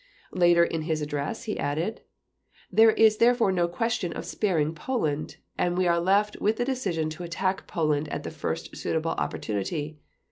Later in his address he added: "There is therefore no question of sparing Poland, and we are left with the decision to attack Poland at the first suitable opportunity.